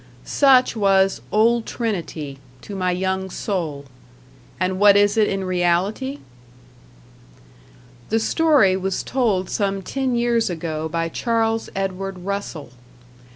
Such was Old Trinity to my young soul; and what is it in reality? The story was told some ten years ago by Charles Edward Russell.